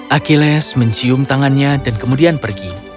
achilles mencium tangannya dan kemudian pergi